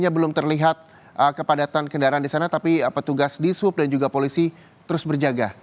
belum terlihat kepadatan kendaraan di sana tapi petugas di sub dan juga polisi terus berjaga